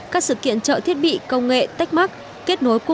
các sự kiện trợ thiết bị công nghệ techmark